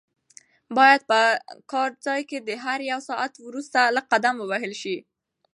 باید په کار ځای کې د هر یو ساعت وروسته لږ قدم ووهل شي.